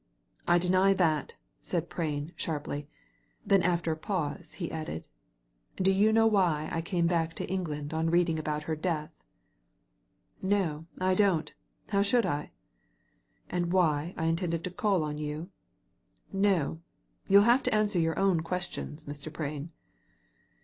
•* I deny that," said Prain, sharply ; then after a pause, he added, *' Do you know why I came back to England on reading about her death ?"*' No, I do not ! How should I ?"•* And why I intended to call on you ?"'* No t You'll have to answer your own questions, Mr. Prain."